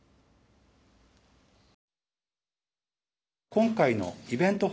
今回のイベント